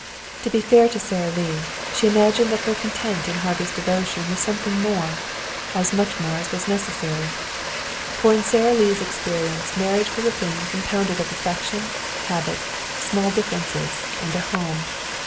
To be fair to Sara Lee, she imagined that her content in Harvey's devotion was something more, as much more as was necessary. For in Sara Lee's experience marriage was a thing compounded of affection, habit, small differences and a home.